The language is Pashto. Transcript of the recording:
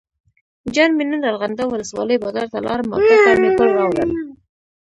جان مې نن ارغنداب ولسوالۍ بازار ته لاړم او تاته مې ګل راوړل.